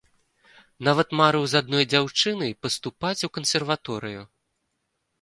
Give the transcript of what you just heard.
Нават марыў з адной дзяўчынай паступаць у кансерваторыю.